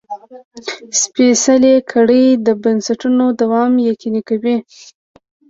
سپېڅلې کړۍ د بنسټونو دوام یقیني کوي.